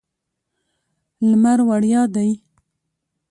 لمر وړیا دی.